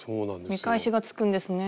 見返しがつくんですね。